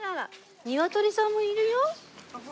ニワトリさんもいるよ。